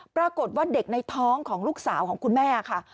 ปรากฏว่าเด็กในท้องของลูกสาวของคุณแม่ค่ะ